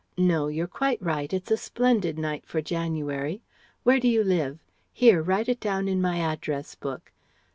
No? You're quite right. It's a splendid night for January. Where do you live? Here, write it down in my address book....